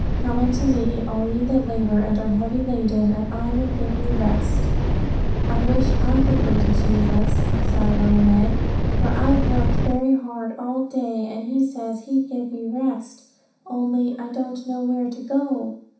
'Come unto Me, all ye that labour and are heavy laden, and I will give you rest.' 'I wish I could go to Jesus,' sighed little Meg, 'for I've worked very hard all day; and He says He'd give me rest. Only I don't know where to go.'